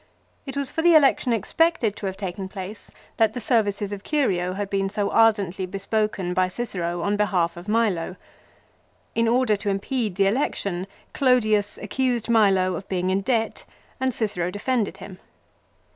It was for the election expected to have taken BC 52, pl ace that the services of Curio had been so setat. 55. ar( j en tly bespoken by Cicero on behalf of Milo. In order to impede the election Clodius accused Milo of being in debt and Cicero defended him.